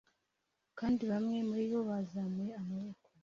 kandi bamwe muribo bazamuye amaboko